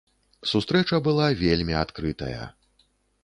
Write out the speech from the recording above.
Сустрэча была вельмі адкрытая.